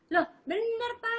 loh bener pak